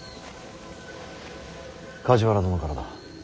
梶原殿からだ。